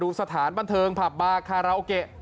ดูสถานบรรเทิงภาบบาคาราโอเก๊